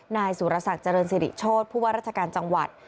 นายสุรศักดิ์เจริญสิริโชธผู้ว่าราชการจังหวัด